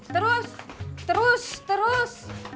terus terus terus